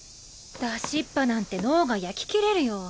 出しっぱなんて脳が焼き切れるよ。